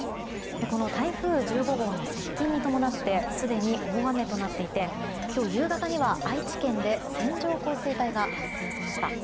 この台風１５号の接近に伴ってすでに大雨となっていて今日夕方には愛知県で線状降水帯が発生しました。